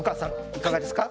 いかがですか？